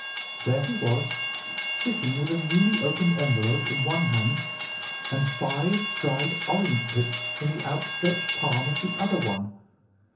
There he was, sitting with a newly opened envelope in one hand and five dried orange pips in the outstretched palm of the other one.